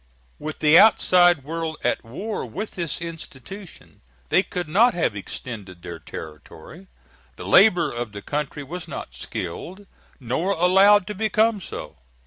With the outside world at war with this institution, they could not have extended their territory. The labor of the country was not skilled, nor allowed to become so.